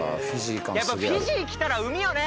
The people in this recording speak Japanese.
やっぱフィジー来たら海よね